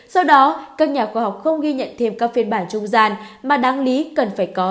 do đó các nhà khoa học không ghi nhận thêm các phiên bản trung gian mà đáng lý cần phải có